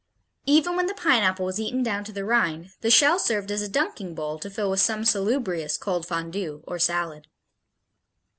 Even when the Pineapple was eaten down to the rind the shell served as a dunking bowl to fill with some salubrious cold Fondue or salad.